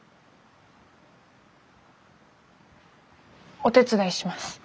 お手伝いします。